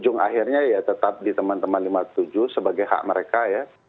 ujung akhirnya ya tetap di teman teman lima puluh tujuh sebagai hak mereka ya